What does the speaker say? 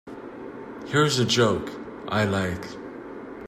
Here's a joke I like.